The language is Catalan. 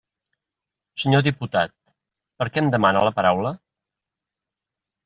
Senyor diputat, per què em demana la paraula?